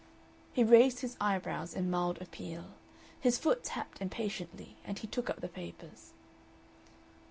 He raised his eyebrows in mild appeal. His foot tapped impatiently, and he took up the papers.